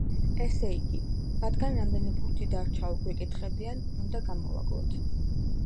ესე იგი, რადგან რამდენი ბურთი დარჩაო გვეკითხებიან, უნდა გამოვაკლოთ.